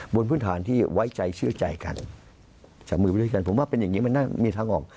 บนพื้นฐานที่ไว้ใจเชื่อใจกันจับมือไปด้วยกันผมว่าเป็นอย่างนี้มันน่ามีทางออก